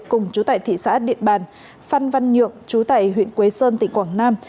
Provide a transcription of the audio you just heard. cùng chú tại thị xã điện bàn phan văn nhượng chú tại huyện quế sơn tỉnh quảng nam